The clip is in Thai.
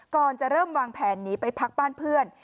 ก่อนจะเริ่มวางแผนหนีไปพักบ้านเพื่อน